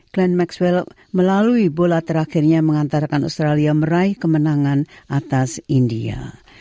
glenn maxwell melalui bola terakhirnya mengantarkan australia meraih kemenangan atas india